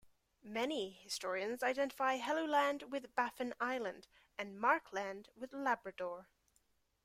Many historians identify Helluland with Baffin Island and Markland with Labrador.